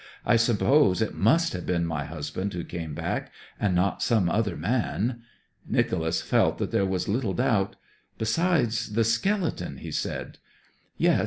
'I suppose it must have been my husband who came back, and not some other man.' Nicholas felt that there was little doubt. 'Besides the skeleton,' he said. 'Yes